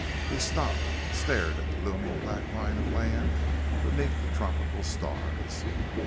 He stopped, stared at the looming black line of land beneath the tropical stars.